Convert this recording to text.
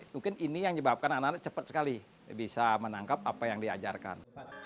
mungkin ini yang menyebabkan anak anak cepat sekali bisa menangkap apa yang diajarkan